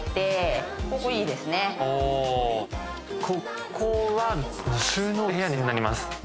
ここは収納部屋になります。